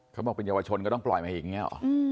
เขาบอกเป็นเยาวชนก็ต้องปล่อยมาอย่างนี้หรอ